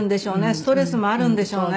ストレスもあるんでしょうね。